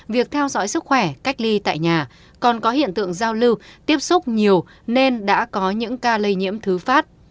việc theo dõi sức khỏe cách ly tại nhà còn có hiện tượng giao lưu tiếp xúc nhiều nên đã có những ca lây nhiễm thứ phát